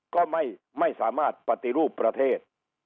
ก็ไม่สามารถปฏิรูปประเทศ